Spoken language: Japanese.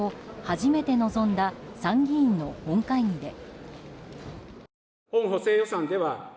初めて臨んだ参議院の本会議で。